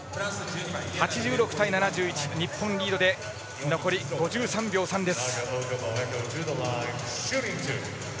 ８６対７１、日本リードで残り５３秒３です。